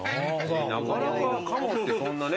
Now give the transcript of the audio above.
なかなかカモってそんなね。